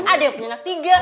ada yang punya anak tiga